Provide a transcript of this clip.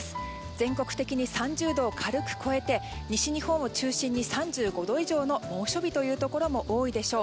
全国的に３０度を軽く超えて西日本を中心に３５度以上の猛暑日というところも多いでしょう。